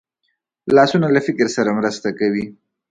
لاسونه له فکر سره مرسته کوي